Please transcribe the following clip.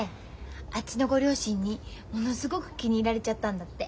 あっちのご両親にものすごく気に入られちゃったんだって。